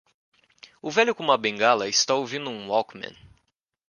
O velho com uma bengala está ouvindo um walkman.